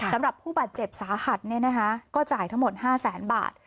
สำหรับผู้บัดเจ็บสาหัดเนี่ยนะคะก็จ่ายทั้งหมดห้าแสนบาท